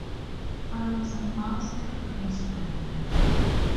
I was a basket case when I left!